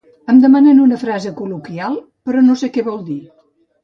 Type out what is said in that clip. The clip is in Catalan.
Em demanen una frase col·loquial, però no sé que vol dir